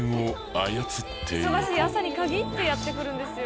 忙しい朝にかぎってやってくるんですよ。